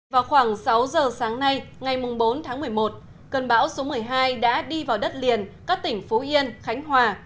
vào khoảng sáu giờ sáng nay ngày bốn tháng một mươi một cơn bão số một mươi hai đã đi vào đất liền các tỉnh phú yên khánh hòa